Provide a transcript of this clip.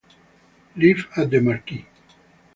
Live at the Marquee